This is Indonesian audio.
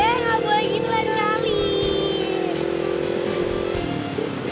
eh gak boleh gitu lah di saling